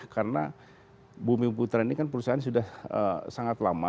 karena bumi putra ini kan perusahaan sudah sangat lama